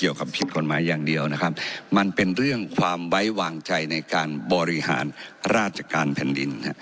ไว้วางใจในการบริหารราชการแผ่นดิน